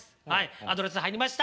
アドレス入りました！